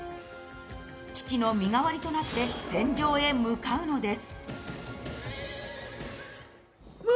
父の身代わりとなって戦場へ向かうのです。